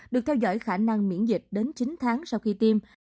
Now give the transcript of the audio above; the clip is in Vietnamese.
được theo dõi khả năng miễn dịch đến chín tháng sau khi tiêm